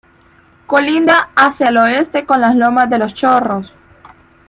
Colinda hacia el oeste con la Loma de Los Chorros.